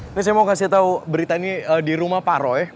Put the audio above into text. ini saya mau kasih tahu berita ini di rumah pak roy